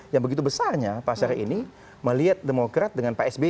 yang begitu besarnya pasar ini melihat demokrat dengan psb